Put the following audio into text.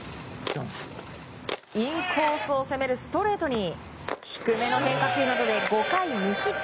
インコースを攻めるストレートに低めの変化球などで５回無失点。